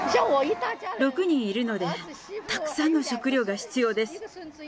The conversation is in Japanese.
６人いるので、たくさんの食料が必要です。